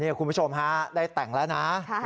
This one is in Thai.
คุณผู้ชมฮะได้แต่งแล้วนะ